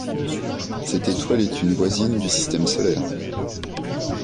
Cette étoile est une voisine du système solaire.